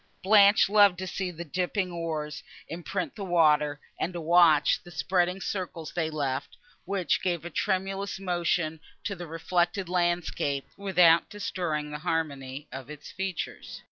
Blanche loved to see the dipping oars imprint the water, and to watch the spreading circles they left, which gave a tremulous motion to the reflected landscape, without destroying the harmony of its features.